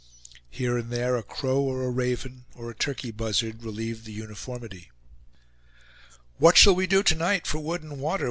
Here and there a crow, or a raven, or a turkey buzzard, relieved the uniformity. "What shall we do to night for wood and water?"